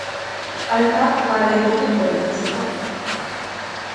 Alta, balegoke kontatzeko.